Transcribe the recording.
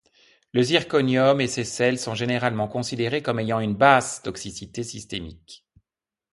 Le zirconium et ses sels sont généralement considérés comme ayant une basse toxicité systémique.